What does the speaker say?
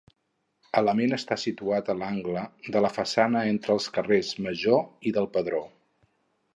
Element està situat a l'angle de la façana entre els carrers Major i del Pedró.